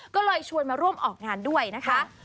ก็เลยชวนมาร่วมออกงานด้วยนะคะ